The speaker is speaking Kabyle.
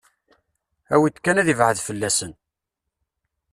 Awi-d kan ad ibɛed fell-asen.